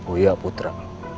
oh iya putra